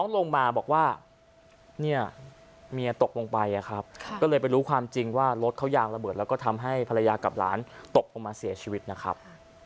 แล้วก็ทำให้ภรรยากับหลานตกออกมาเสียชีวิตนะครับ